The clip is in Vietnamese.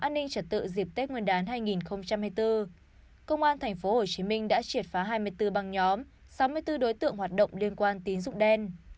an ninh trật tự dịp tết nguyên đán hai nghìn hai mươi bốn công an tp hcm đã triệt phá hai mươi bốn băng nhóm sáu mươi bốn đối tượng hoạt động liên quan tín dụng đen